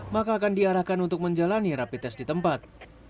maka akan diarahkan untuk menjalani rapi tes di tempat